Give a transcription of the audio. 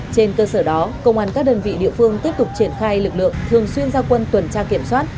trên cơ sở đó công an các đơn vị địa phương tiếp tục triển khai lực lượng thường xuyên giao quân tuần tra kiểm soát